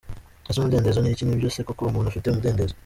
Ese umudendezo ni iki? Ni byo se koko umuntu afite umudendezo?.